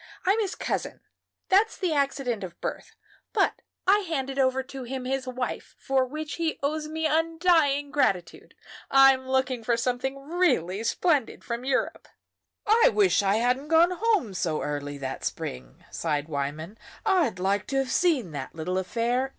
I'm his cousin that's the accident of birth; but I handed over to him his wife, for which he owes me undying gratitude. I'm looking for something really splendid from Europe." "I wish I hadn't gone home so early that spring," sighed Wyman. "I'd like to have seen that little affair.